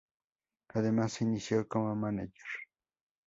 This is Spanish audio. Además se inició como mánager.